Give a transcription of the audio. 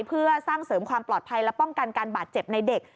เพื่อสร้างเสริมความปลอดภัยและป้องกันการบาดเจ็บในเด็ก